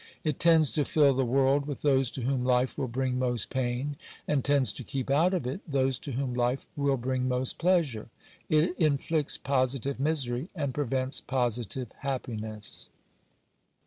It tends to fill the world with those to whom life will bring most pain, and tends to keep out of it those to whom life will bring most pleasure. It inflicts positive misery, and prevents positive happiness.